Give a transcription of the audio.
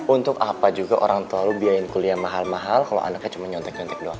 untuk apa juga orang terlalu biayain kuliah mahal mahal kalau anaknya cuma nyontek nyontek doang